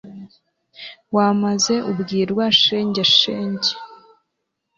wamaze ubwirwa shenge shenge